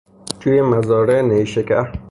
توی مزارع نیشکر